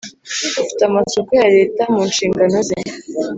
ufite amasoko ya Leta mu nshingano ze